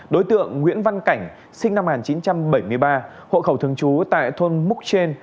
đối tượng nguyễn văn cảnh sinh năm một nghìn chín trăm bảy mươi ba hộ khẩu thường trú tại thôn múc trên